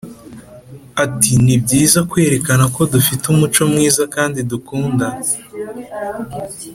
Ati “Ni byiza kwerekana ko dufite umuco mwiza kandi dukunda